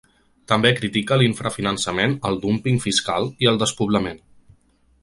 També critica l’infrafinançament, el dúmping fiscal i el despoblament.